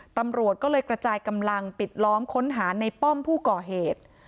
ตำรวจก็เลยกระจายกำลังปิดล้อมค้นหาในป้อมผู้ก่อเหตุ